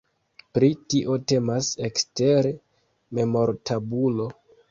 Pri tio temas ekstere memortabulo.